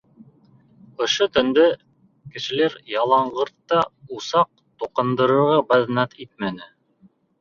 Ошо төндө кешеләр яланғыртта усаҡ тоҡандырырға баҙнат итмәне.